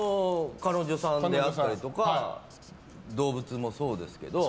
彼女さんであったりとか動物もそうですけど。